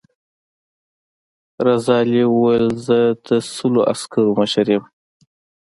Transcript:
رضا علي وویل زه د سلو عسکرو مشر یم.